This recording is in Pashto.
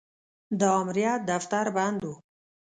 د امریت دفتر بند و.